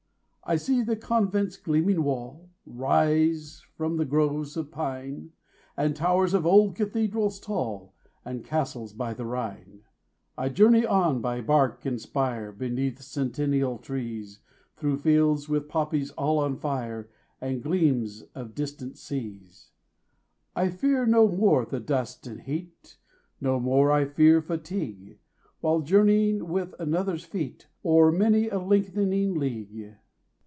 I see the convent's gleaming wall Rise from its groves of pine, And towers of old cathedrals tall, And castles by the Rhine. 20 I journey on by park and spire, Beneath centennial trees, Through fields with poppies all on fire, And gleams of distant seas. I fear no more the dust and heat, 25 No more I fear fatigue, While journeying with another's feet O'er many a lengthening league.